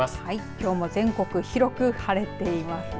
きょうも全国よく晴れています。